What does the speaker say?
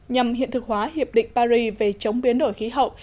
nhằm hiện thực hóa hiệp định paris về chống biến đổi khí hậu